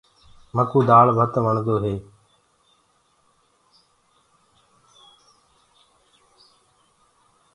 مڪوُ دآݪ ڀت وڻدو هي۔